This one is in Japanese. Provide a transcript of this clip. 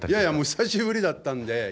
久しぶりだったんで。